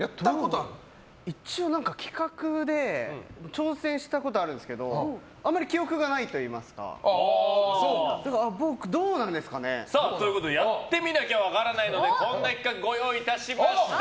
一応、企画で挑戦したことあるんですけどあんまり記憶がないといいますか僕、どうなんですかね。ということでやってみなきゃ分からないのでこんな企画、ご用意いたしました。